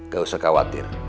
gak usah khawatir